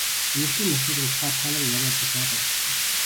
Үнэрлэдэг морьтнуудын тухай та нарын яриа бүр санаа зовоочихлоо.